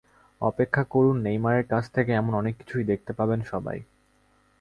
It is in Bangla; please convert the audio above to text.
অপেক্ষা করুন, নেইমারের কাছ থেকে এমন অনেক কিছুই দেখতে পাবেন সবাই।